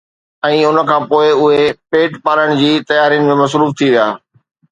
۽ ان کان پوءِ اهي پيٽ پالڻ جي تيارين ۾ مصروف ٿي ويا.